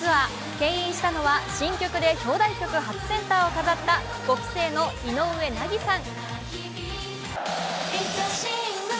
けん引したのは、新曲で表題曲初センターを飾った５期生の井上和さん。